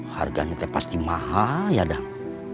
harganya pasti mahal ya dong